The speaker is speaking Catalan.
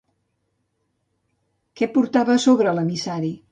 Què portava a sobre l'emissari?